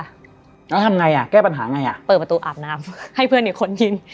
แล้วทำไงอะแก้ปัญหาไงอะเกือบตัวอาบน้ำให้เพื่อนเหนียวคนยิน